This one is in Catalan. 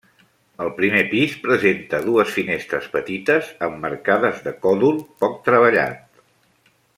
El primer pis presenta dues finestres petites emmarcades de còdol poc treballat.